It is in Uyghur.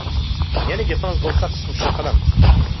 يەنە گېپىڭىز بولسا قىسقا ئۇچۇر قىلىڭ.